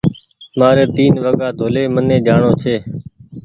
مآري تين وگآ ڊولي مني جآڻو ڇي